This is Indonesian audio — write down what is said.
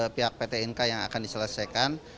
pihak pt inka yang akan diselesaikan